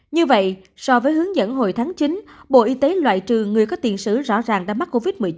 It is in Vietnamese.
như vậy so với hướng dẫn hồi tháng chín bộ y tế loại trừ người có tiền sử rõ ràng đã mắc covid một mươi chín